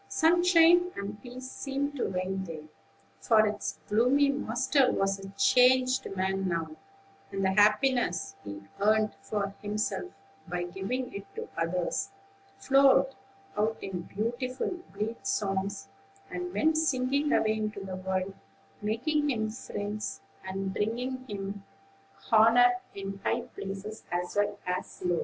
Sunshine and peace seemed to reign there; for its gloomy master was a changed man now, and the happiness he earned for himself, by giving it to others, flowed out in beautiful, blithe songs, and went singing away into the world, making him friends, and bringing him honor in high places as well as low.